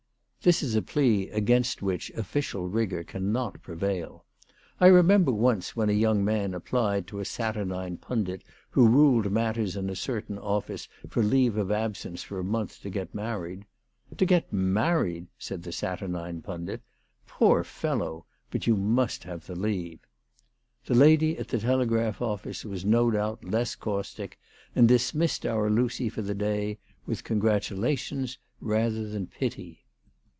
This is a plea against which official rigour cannot prevail. I remember once when a young man applied to a saturnine pundit who ruled matters in a certain office for leave of absence for a month to get married. " To get married !" said the saturnine pundit. " Poor fellow ! But you must have the leave." The lady at the telegraph office was no doubt less caustic, and dismissed our Lucy for the day with congratulations rather than pity.